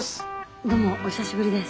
どうもお久しぶりです。